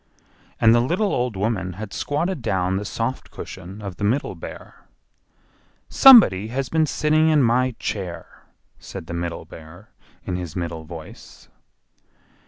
And the little old woman had squatted down the soft cushion of the Middle Bear. "SOMEBODY HAS BEEN SITTING IN MY CHAIR!" said the Middle Bear, in his middle voice.